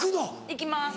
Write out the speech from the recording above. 行きます。